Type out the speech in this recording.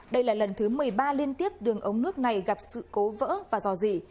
đây là lần thứ một mươi ba liên tiếp đường ống nước này gặp sự cố vỡ và dò dỉ